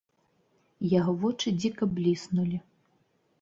Яго вочы дзіка бліснулі.